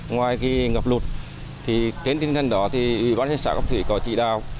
ngoài khi ngập lụt trên tinh thần đó thì huyện cam thủy có chỉ đào